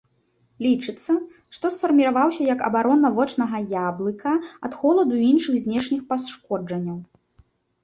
Лічыцца, што сфарміраваўся як абарона вочнага яблыка ад холаду і іншых знешніх пашкоджанняў.